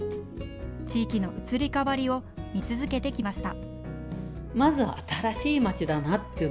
地域の移り変わりを見続けてきました。